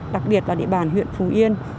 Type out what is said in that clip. đặc biệt là địa bàn huyện phủ yên